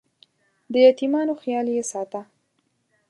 د یتیمانو خیال یې ساته.